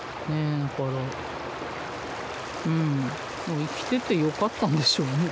だからうん生きててよかったんでしょうね